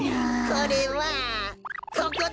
これはここだ！